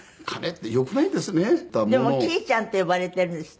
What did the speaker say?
でもきーちゃんって呼ばれているんですって？